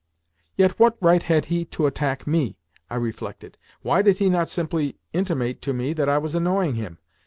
"Yet what right had he to attack me?" I reflected. "Why did he not simply intimate to me that I was annoying him?